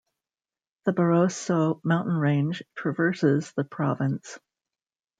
The Barroso mountain range traverses the province.